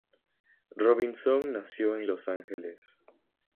Robinson nació en Los Ángeles.